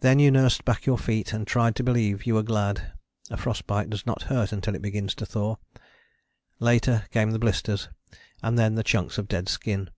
Then you nursed back your feet and tried to believe you were glad a frost bite does not hurt until it begins to thaw. Later came the blisters, and then the chunks of dead skin.